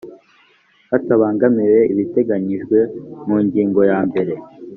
hatabangamiwe ibiteganyijwe mu ngingo ya mbere